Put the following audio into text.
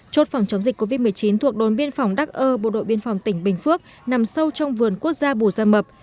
chốt phòng chống dịch covid một mươi chín thuộc đồn biên phòng đắc ơ bộ đội biên phòng tỉnh bình phước nằm sâu trong vườn quốc gia bù gia mập